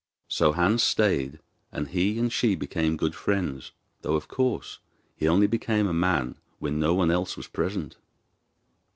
So Hans stayed, and he and she became good friends; though, of course, he only became a man when no one else was present.